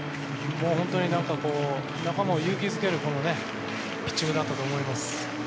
本当に仲間を勇気付けるピッチングだったと思います。